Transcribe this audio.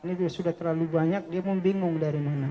ini sudah terlalu banyak dia membingung dari mana